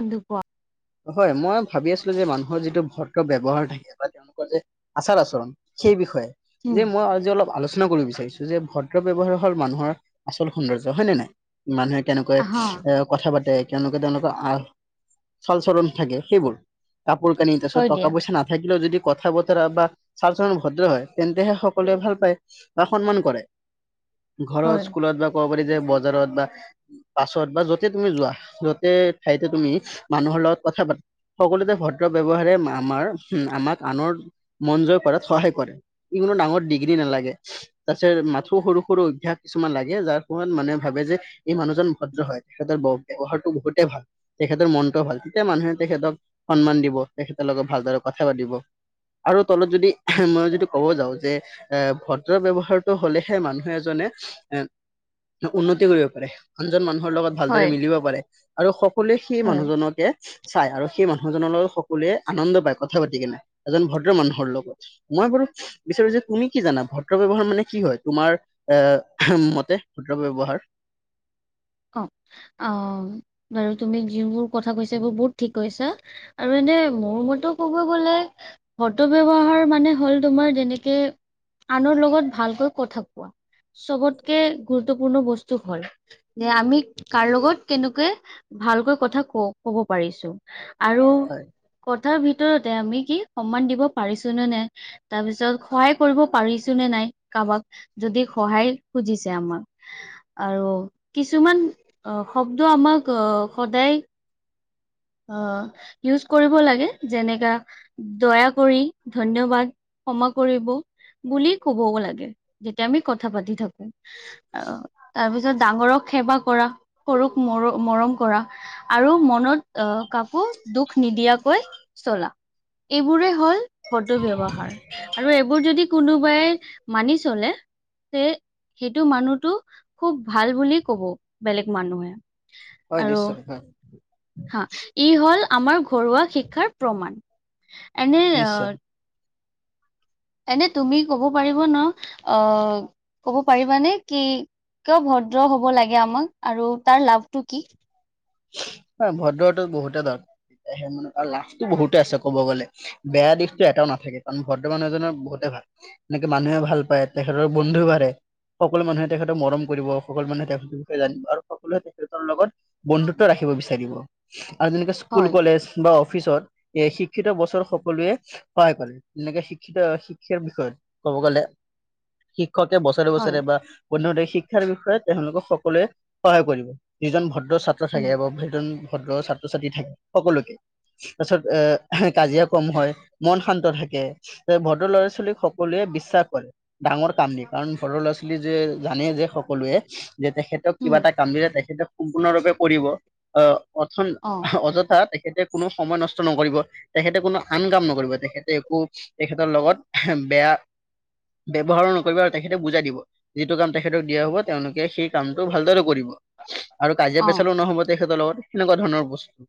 কোনটো পোৱা? হয়, মই ভাবি আছিলোঁ যে মানুহৰ যিটো ভদ ব্যৱহাৰ থাকে বা তেওঁলোকৰ যে আচাৰ- আচৰণ সেই বিষয়ে উম যে মই আজি অলপ আলোচনা কৰিব বিচাৰিছো যে ভদ্ৰ ব্যৱহাৰ হ'ল মানুহৰ আচল সৌন্দৰ্য হয় নে নাই? মানুহে কেনেকৈ হা এ কথা পাতে কেনেকে তেওঁলোকৰ আহ চাল চলণ থাকে সেইবোৰ কাপোৰ কানি তাৰ পিছত হয় টকা দিয়া পইচা নাথাকিলেও যদি কথা বতৰা বা চাল চলন ভদ্ৰ হয় তেন্তেহে সকলোৱে ভাল পায় বা সন্মান কৰে। ঘৰৰ হয় স্কুলত বা ক'ব পাৰি যে বজাৰত বা পাছত বা য'তে তুমি যোৱা য'তে ঠাইতে তুমি মানুহৰ লগত কথা পাতো সকলোতে ভদ্ৰ ব্যৱহাৰে আমাৰ আমাক আনৰ মন জয় কৰাত সহায় কৰে, ই কোনো ডাঙৰ ডিগ্ৰী নালাগে। তাৰ পিছত মাথো সৰু সৰু অভ্যাস কিছুমান লাগে যাৰ ফলত মানে ভাবে যে এই মানুহজন ভদ্ৰ হয়, তেখেতৰ ব্যৱহাৰতটো বহুতে ভাল তেখেতৰ মন ত ভাল তেতিয়া মানুহে তেখেতক সন্মান দিব তেখেতৰ লগত ভালদৰে কথা পাতিব। আৰু তলত যদি মই যদি ক'ব যাওঁ যে এ ভদ্ৰ ব্যৱহাৰটো হ'লে হে মানে মানুহ এজনে এ উন্নতি কৰিব পাৰে। আনজন মানুহৰ লগত হয় ভালদৰে মিলিব পাৰে আৰু সকলোৱে সেই হয় মানুহজনক চাই আৰু সেই মানুহজনৰ লগত সকলোৱে আনন্দ পায় কথা পাতি কেনে এজন ভদ্ৰ মানুহৰ লগত। মই বাৰু বিচাৰো যে তুমি কি জানা ভদ্ৰ ব্যৱহাৰ মানে কি হয় তোমাৰ এ মতে ভদ্ৰ ব্যৱহাৰ। অ', অ', বাৰু তুমি যিবোৰ কথা কৈছা এইবোৰ বহুত ঠিক কৈছা। আৰু এনে মোৰ মতেটো কব গ'লে ভদ্ৰ ব্যৱহাৰ মানে হ'ল তোমাৰ যেনেকে আনৰ লগত ভালকৈ কথা কোৱা। চবতকে গুৰুত্বপূৰ্ণ বস্তু হয়। যে আমি কাৰ লগত কেনেকে ভালকৈ কথা ক ক'ব পাৰিছো। আৰু হয় কথাৰ ভিতৰতে আমি কি সন্মান দিব পাৰিছো নে নাই। তাৰ পিছত সহায় কৰিব পাৰিছো নে নাই কাবাক যদি সহায় খুজিছে আমাক আৰু কিছুমান অ' শব্দ আমাক অ সদায় অ' ইউজ কৰিব লাগে যেনেকা দয়া কৰি ধন্যবাদ ক্ষমা কৰিব। বুলি ক'বও লাগে যেতিয়া আমি কথা পাতি থাকো। অ' তাৰপিছত ডাঙৰক সেৱা কৰা সৰুক মৰ মৰম কৰা আৰু মনত আহ কাকো দুখ নিদিয়াকৈ চলা। এইবোৰে হ'ল ক'ত ব্যৱহাৰ আৰু এইবোৰ যদি কোনোবাই মানি চলে এফালে সেই সেইটো মানুহটো খুব ভাল বুলি কব বেলেগ মানুহে। হয় আৰু নিশ্চয় হয়। হা ই হল আমাৰ ঘৰুৱা শিক্ষাৰ প্ৰমাণ এনে অ নিশ্চয় এনে তুমি কব পাৰিব ন অ' কব পাৰিবানে কি কিয় ভদ্ৰ হব লাগে আমাক আৰু তাৰ লাভটো কি হয় ভদ্ৰতো বহুতে ধৰ সেই মানে লাভটো বহুতে আছে ক'ব গ'লে। বেয়া দিশটো এটাও নাথাকে কাৰণ ভদ্ৰ মানুহ এজনৰ বহুতে ভাল এনেকে মানুহে ভাল পায় তেখেতৰ বন্ধুও বাঢ়ে সকলো মানুহে তেখেতক মৰম কৰিব সকলো মানুহে তেখেতৰ বিষয়ে জানিব আৰু সকলোৱে তেখেতৰ লগত বন্ধুত্ব ৰাখিব বিচাৰিব আৰু যেনেকে স্কুল হয়, কলেজ বা অফিচত এ' শিক্ষিত বছৰ সকলোৱে হয় কলে এনেকে শিক্ষিত শিক্ষাৰ বিষয়ত ক'ব গ'লে শিক্ষকে বছৰে হয়, বছৰে বা অন্যথা শিক্ষাৰ বিষয়ে তেওঁলোকক সকলোৱে সহায় কৰিব যিজন ভদ্ৰ ছাত্ৰ ছাত্ৰ উম, থাকে বা ভদন ভদ্ৰ ছাত্ৰ ছাত্ৰী থাকে সকলোকে তাৰপিছত এ' কাজিয়া কম হয় মন শান্ত থাকে। ভদ্ৰ লৰা ছোৱালীক সকলোৱে বিশ্বাস কৰে। ডাঙৰ কাম দিয়ে কাৰণ সৰু ল'ৰা ছোৱালী যে জানে যে সকলোৱে যে তেখেতক কিবা উম, এটা কাম দিলে তেখেতে সম্পূৰ্ণৰূপে কৰিব অহ অথন অ' অযথা তেখেতে কোনো সময় নষ্ট নকৰিব তেখেতে কোনো আন কাম নকৰিব তেখেতে একো তেখেতৰ লগত বেয়া ব্যৱহাৰ নকৰিব আৰু তেখেতে বুজাই দিব। যিটো কাম তেখেতক দিয়া হব তেওঁলোকে সেই কামটো ভালদৰে কৰিব আৰু কাজিয়া পেচালো অ', নহব তেখেতৰ লগত সেনেকুৱা ধৰণৰ বস্তু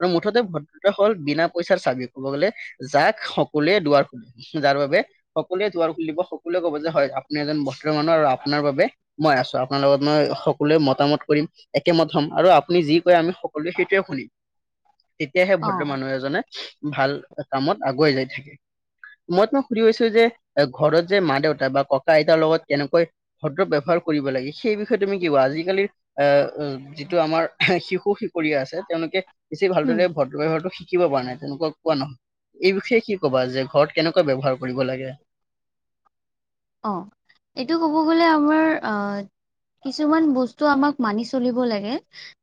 আৰু মুঠতে ভদ্ৰতা হল বিনা পইচাৰ চাবি কব গ'লে যাক সকলোৱে দুৱাৰ খোলে যাৰ বাবে সকলোৱে দুৱাৰ খুলিব সকলোৱে কব যে হয় আপুনি এজন ভদ্ৰ মানুহ আৰু আপোনাৰ বাবে মই আছো আপোনাৰ লগত মই সকলোৱে মতামত কৰিম একেমত হম আৰু আপুনি যি কয় আমি সকলোৱে সেইটোৱে শুনিম। তেতিয়াহে ভৰ্দ্ৰ অ', মানুহ এজনে ভাল কামত আগুৱাই যাই থাকে। মই তোমাক সুধিব বিচাৰিছোঁ যে ঘৰত যে মা দেউতা বা ককা আইতাৰ লগত কেনেকৈ ভদ্ৰ ব্যৱহাৰ কৰিব লাগে সেই বিষ বিষয়ে তুমি কি কোৱা আজিকালি আহ যিটো আমাৰ শিশু শিশুৰীয়া আছে তেওঁলোকে বেছি উম, ভালদৰে ভ ভদ্ৰতা শিকিব পৰা নাই তেনেকুৱা কোৱা নহয় এই বিষয়ে কি কবা যে ঘৰত কেনেকুৱা ব্যৱহাৰ কৰিব লাগে। অ'এইটো ক'ব গ'লে আমাৰ অ কিছুমান বস্তু আমাক মানি চলিব লাগে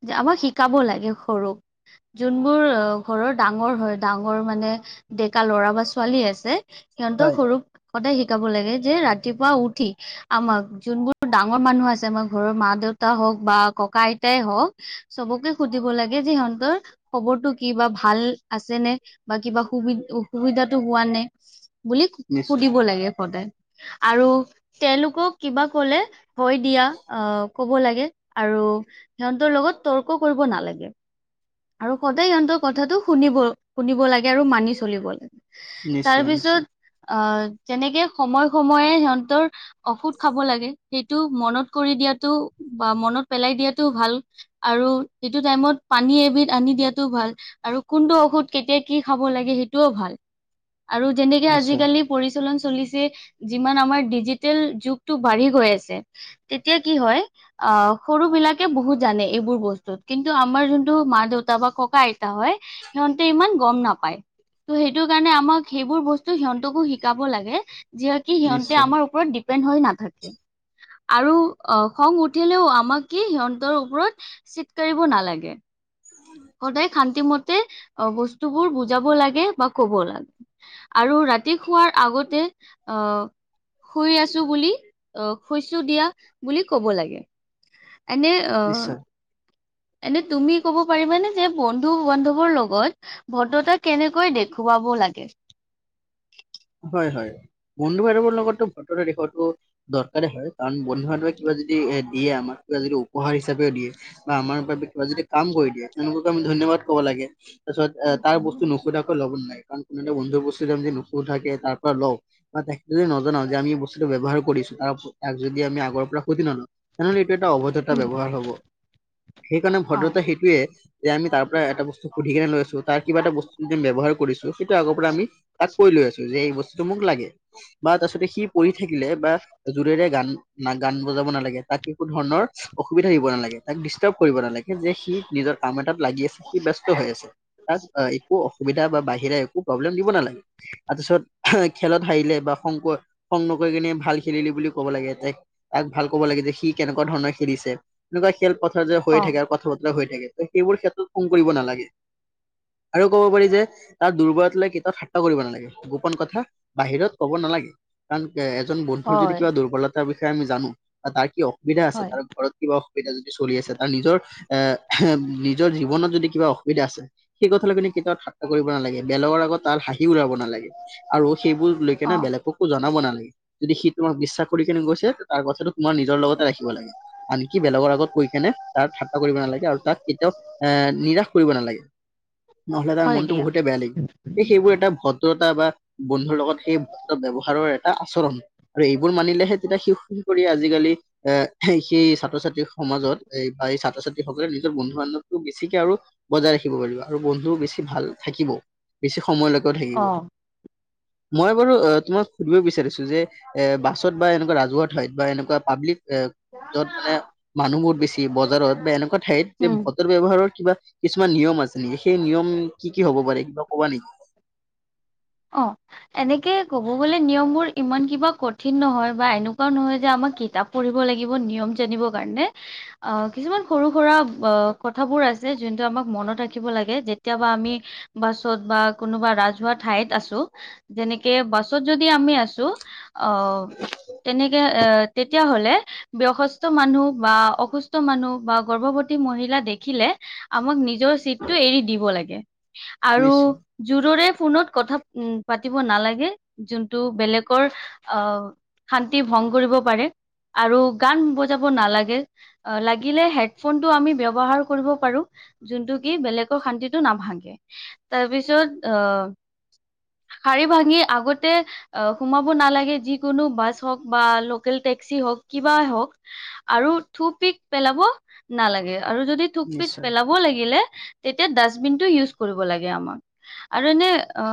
যে আমাক শিকাব লাগে সৰুক যোনবোৰ ঘৰৰ ডাঙৰ হয় ডাঙৰ মানে ডেকা ল'ৰা বা ছোৱালী আছে। সিহঁতক হয় সৰু কথাই শিকাব লাগে যে ৰাতিপুৱা উঠি আমাৰ যোনবোৰ ডাঙৰ মানুহ আছে আমাৰ ঘৰৰ মা দেউতা হওঁক বা ককা আইতাই হওঁক। চবকে সুধিব লাগে যে সিহঁতৰ খবৰটো কি বা ভাল আছে নে বা কিবা সুবি অসুবিধাতো হোৱা নাই? বুলি নিশ্চয় সুধিব লাগে সদায় আৰু তেওঁলোকক কিবা ক'লে হয়, দিয়া আহ ক'ব লাগে আৰু সিহঁতৰ লগত তৰ্ক কৰিব নালাগে। আৰু সদায় সিহঁতৰ কথাটো শুনিব শুনিব লাগে আৰু মানি চলিব লাগে। তাৰ নিশ্চয় নিশ্চয় পিছত আহ যেনেকে সময়ে সময়ে সিহঁতৰ ঔষধ খাব লাগে সেইটো মনত কৰি দিয়াতো বা মনত পেলাই দিয়াটোও ভাল। আৰু এইটো টাইমত পানী এবিধ আনি দিয়াতো ভাল। আৰু কোনটো ঔষধ কেতিয়া কি খাব লাগে সেইটোও ভাল। আৰু যেনেকে নিশ্চয় আজিকালি পৰিচালন চলিছে। যিমান আমাৰ ডিজিটেল যুগটো বাঢ়ি গৈ আছে। তেতিয়া কি হয় আহ সৰু ৎবিলাকে বহুত জানে এইবোৰ বস্তুত কিন্তু আমাৰ যোনটো মা দেউতা বা ককা আইতা হয়। সিহঁতে ইমান গম নাপায় ত' সেইটো কাৰণে আমাক সেইবোৰ বস্তু ত' সিহঁতকো শিকাব লাগে যিহকে সিহঁতে নিশ্চয় আমাৰ ওপৰত ডিপেণ্ড হৈ নাথাকে। আৰু আহ খং উঠিলেও আমাক কি সিহঁতৰ ওপৰত চিত কাৰিব নালাগে। সদায় শান্তিমতে অ' বস্তুবোৰ বুজাব লাগে বা ক'ব লাগে। আৰু ৰাতি শোৱাৰ আগতে আহ শুই আছো বুলি আহ শুইছো দিয়া বুলি ক'ব লাগে। এনে অ' নিশ্চয় এনে তুমি ক'ব পাৰিবানে যে বন্ধু বান্ধবৰ লগত ভদ্ৰতা কেনেকৈ দেখুৱাব লাগে? হয়, হয়, বন্ধু বান্ধৱৰ লগততো ভদ্ৰতা দেখুওৱাটো দৰকাৰে হয়, কাৰণ বন্ধু বান্ধৱে কিবা যদি এ দিয়ে আমাক কিবা যদি উপহাৰ হিচাপেও দিয়ে। বা আমাৰ বাবে কিবা যদি কাম কৰি দিয়ে তেওঁলোককো আমি ধন্যবাদ কব লাগে। তাৰপিছত তাৰ বস্তু নুসুধাকৈ ল'ব নালাগে কাৰণ কোনো বন্ধুৰ বস্তু যদি নুশুধাকে তাৰ পৰা লওঁ। বা তাকে যদি নজনাও যে আমি বস্তুটো ব্যৱহাৰ কৰিছো তাৰ তাক যদি আমি আগৰ পৰা সুধি নলওঁ। তেনেহ'লে এইটো এটা অভদ্ৰতা উম, ব্যৱহাৰ হ'ব। সেইকাৰণে অ, ভদ্ৰতা সেইটোৱে যে আমি তাৰ পৰা এটা বস্তু সুধিকেনে লৈছো তাৰ কিবা এটা বস্তু যদি ব্যৱহাৰ কৰিছো সেইটো আগৰ পৰা আমি তাক কৈ লৈ আছো। যে এই বস্তুটো মোক লাগে বা তাৰ পিছতে সি পঢ়ি থাকিলে বা জোৰেৰে গান না গান বজাব নালাগে তাক একো ধৰণৰ অসুবিধা দিব নালাগে তাক দিচ ট্ৰাব কৰিব নালাগে যে সি নিজৰ কাম এটাত লাগি আছে সি ব্যস্ত হৈ আছে। তাক একো অসুবিধা বা বাহিৰে একো প্ৰব্লেম দিব নালাগে। তাৰপিছত খেলত হাৰিলে বা খং খং নকৈ কিনে ভাল খেলিলি বুলি ক'ব লাগে। তাক ভাল ক'ব লাগে যে সি কেনেকুৱা ধৰণৰ খেলিছে এনেকুৱা খেল পথাৰ যে অ, হৈয়ে থাকে আৰু কথা বতৰা হৈ থাকে। সেইবোৰ ক্ষেত্ৰত খং কৰিব নালাগে। আৰু ক'ব পাৰি যে তাৰ দুৰ্বলত লৈ কেতিয়াও থাত্তা কৰিব নালাগে। গোপন কথা বাহিৰত ক'ব নালাগে কাৰণ এজন বন্ধুৰ যদি হয়, কিবা দুৰ্বলতা তাৰ বিষয়ে আমি জানো বা তাৰ কি অসুবিধা আছে হয়, তাৰ ঘৰত কিবা অসুবিধা যদি চলি আছে তাৰ নিজৰ এ, নিজৰ জীৱনত যদি কিবা অসুবিধা আছে। সেই কথালৈ কিন্তু কেতিয়াাত ঠাট্টা কৰিব নালাগে বেলগৰ আগত তাৰ হাঁহিও উলাব নালাগে। আৰু সেইবোৰ লৈকেনে অ। বেলেগক কো জনাব নালাগে। যদি সি তোমাক বিশ্বাস কৰি কেনে কৈছে তাৰ কথাটো তোমাৰ নিজৰ লগতে ৰাখিব লাগে। আনকি বেলেগৰ আগত কৈ কেনে তাক ঠাট্টা কৰিব নালাগে, আৰু তাক কেতিয়াও এ নিৰাশ কৰিব নালাগে। নহ'লে তাৰ হয় মনটো দিয়া, বহুতে বেয়া লাগিব। এই সেইবোৰ এটা ভদ্ৰতা বা বন্ধুৰ লগত সেই ভদ্ৰ ব্যৱহাৰৰ এটা আচৰণ। আৰু এইবোৰ মানিলেহে তেতিয়া সি শুই কৰি আজিকালি। এ সেই ছাত্ৰ ছাত্ৰী সমাজত এ বা এই ছাত্ৰ ছাত্ৰীসকলে নিজৰ বন্ধু বান্ধৱী বেছিকে আৰু বজাই ৰাখিব পাৰিব। আৰু বন্ধু বেছি ভাল থাকিব বেছি সময়লৈকেও অ, থাকিব। মই বাৰু অ', তোমাক সুধিব বিচাৰিছো যে এ বাছত বা এনেকুৱা ৰাজহুৱা ঠাইত বা এনেকুৱা পাব্লিক এ য'ত মানে মানুহ বহুত বেছি বজাৰত বা এনেকুৱা ঠাইত উম। ভ দ্ৰ ব্যৱহাৰৰ কিবা কিছুমান নিয়ম আছে নেকি? সেই নিয়ম কি কি হব পাৰে কিবা ক'বা নেকি? অ'। এনেকে ক'ব গ'লে নিয়ম বোৰ ইমান কিবা কঠিন নহয়, বা এনেকুৱাও নহয় যে আমাৰ কিতাপ পঢ়িব লাগিব নিয়ম জানিবৰ কাৰণে। আ, কিছুমান সৰু সুৰা কথাবোৰ আছে যোনটো আমাক মনত ৰাখিব লাগে। যেতিয়াবা আমি বাছত বা কোনোবা ৰাজহুৱা ঠাইত ত আছোঁ। যেনেকে বাছত যদি আমি আছোঁ অ', তেনেকে অ', তেতিয়াহ'লে বয়সস্থ মানুহ বা অসুস্থ স্থ মানুহ বা গৰ্ভৱতী মহিলা দেখিলে আমাক নিজৰ চিতটো এৰি দিব লাগে। আৰু নিশ্চয় জোৰৰে ফোনত কথা উম, পাতিব নালাগে যোনটো বেলেগৰ আ শান্তি ভংগ কৰিব পাৰে, আৰু গান বজাব নালাগে। অ', লাগিলে হেডফোনটো আমি ব্যৱহাৰ কৰিব পাৰো। যোনটো কি বেলেগৰ শান্তিটো নাভাগে, তাৰ পিছত অ শাৰী ভাঙি আগতে অ' সোমাব নালাগে যিকোনো বাছ হওঁক বা লোক কেল টেক্সি হওঁক কিবা হওঁক আৰু থু পিক পেলাব নালাগে, আৰু যদি থুক পিক নিশ্চয়। পেলা ব লাগিলে তেতিয়া ডাষ্টবিনতো ইউজ কৰিব লাগে আমাৰ। আৰু এনে আ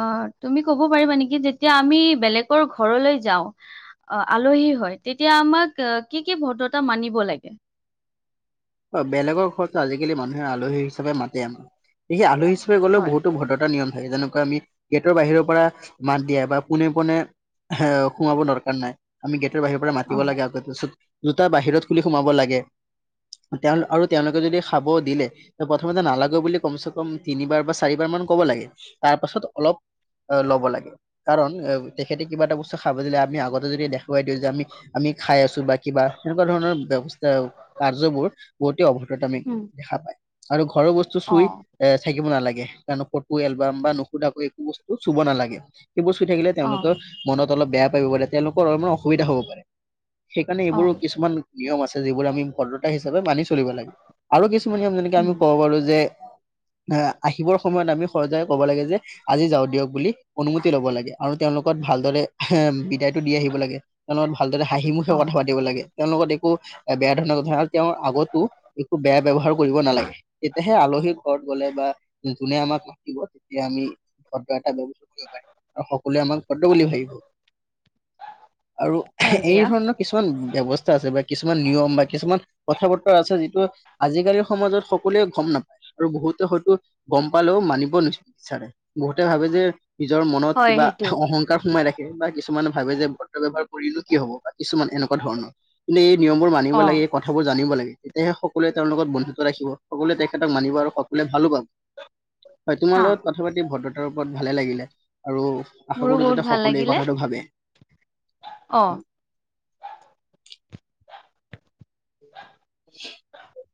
তুমি ক'ব পাৰিবা নেকি যেতিয়া আমি বেলেগৰ ঘৰলৈ যাওঁ অ', আলহী হয়, তেতিয়া আমাক কি কি ভদ্ৰতা মানিব লাগে? অ', বেলেগৰ ঘৰত আজিকালি মানুহে আলহী হিচাপে মাতে আমাক। গতিকে আলহী হিচাপে গ'লেও হয় বহুতো ভদ্ৰতা নিয়ম থাকে। যেনে কৈ আমি গেটৰ বাহিৰৰ পৰা মাত দিয়া, বা পোনে পোনে এ সোমাব দৰকাৰ নাই। আমি গেটৰ বাহিৰ পৰা অ মাতিব লাগে, আকৌ জোতা বাহিৰত খুলি সোমাব লাগে। তেওঁ আৰু তেওঁলোকে যদি খাব দিলে প্ৰথমতে নালাগে বুলি কমচে কম তিনিবাৰ বা চাৰিবাৰ মান ক'ব লাগে, তাৰ পাছত অলপ আ, লব লাগে। কাৰণ এ তেখেতে কিবা এটা বস্তু খাব দিলে আমি আগতে যদি দেখুৱাই দিওঁ যে আমি আমি খাই আছো বা কিবা সেনেকুৱা ধৰণৰ ব্যৱস্থা স্থাবোৰ বহুতে অভদ্ৰামি উম দেখা পায়। আৰু ঘৰৰ বস্তু অ চুই এ থাকিব নালাগে, কাৰণ ফটো এলবাম বা নোশোধাকৈ একো বস্তু চুব নালাগে। সেইবোৰ চুই থাকিলে অ তেওঁলোকৰ মনত বেয়া পাব পাৰে তেওঁলোকৰ অলপমান অসুবিধা হ'ব পাৰে। সেইকাৰণে অ এইবোৰো কিছুমান নিয়ম আছে, যিবোৰ আমি ভদ্ৰতা হিচাপে মানি চলিব লাগে। আৰু কিছুমান নিয়ম যেনেকে উম আমি ক'ব পাৰো যে এ, আহিবৰ সময়ত আমি ঘৰত যায় ক'ব লাগে যে আজি যাওঁ দিয়ক বুলি অনুমতি লব লাগে আৰু তেওঁলোকক ভালদৰে এ বিদায়টো দি আহিব লাগে। তেওঁ লগত ভালদৰে হাঁহিমুখে অ কথা পাতিব লাগে, তেওঁলদত একো বেয়া ধৰণৰ কথা। তেওঁৰ আগতো একো বেয়া ব্যয়ৱহাৰ কৰিব নালাগে। তেতিয়াহে আলহীৰ ঘৰত গ'লে বা যোনে আমাক মতিব তেতিয়া আমি। ভদ্ৰতা সকলোৱে আমাক ভদ্ৰ বুলি ভাবিব। আৰু হয় এই দিয়া ধৰণৰ কিছুমান ব্যৱস্থা আছে বা কিছুমান নিয়ম বা কিছুমান। কথা বতৰা আছে যিটো আজিকালিৰ সমাজত সকলোৱে গম নাপ। আৰু বহুতে হয়তো গম পালেও মানিব নিবিচাৰে বহুতে ভাবে যে। নিজৰ মনত হয় কিবা সেইটো অহংকাৰ সোমাই দে। কিছুমানে ভাবে যে অভদ্ৰ ব্যৱহাৰ কৰিলে কি হব বা কিছুমান এনেকুৱা ধৰণৰ কিন্তু এই নিয়ম বোৰ মাজেৰে। জানিব অ লাগে, এই কথাবোৰ জানিব লাগে তেতিয়াহে সকলোৱে তেওঁৰ লগত বন্ধুত্ব ৰাখিব। সকলোৱে তেখেতক মানিব আৰু সকলোৱে ভালো পাব, হয় তোমাৰ হা লগত কথা। কথা পাতি ভদ্ৰতাৰ ওপৰত ভালে লাগিলে আৰু আশা মোৰো কৰো বহুত যাতে ভাল সকলোৱে এই লাগিলে কথাটো ভাবে। অ। [inaudible] [inaudible]